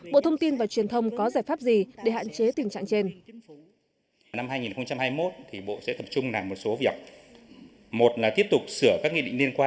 bộ thông tin và truyền thông có giải pháp gì để hạn chế tình trạng trên